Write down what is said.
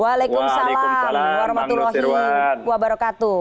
waalaikumsalam warahmatullahi wabarakatuh